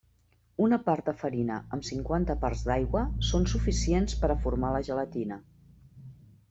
Una part de farina amb cinquanta parts d'aigua són suficients per a formar la gelatina.